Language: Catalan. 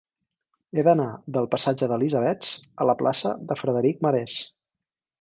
He d'anar del passatge d'Elisabets a la plaça de Frederic Marès.